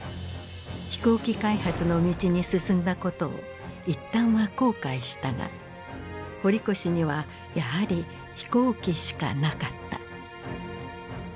飛行機開発の道に進んだことを一旦は後悔したが堀越にはやはり飛行機しかなかった。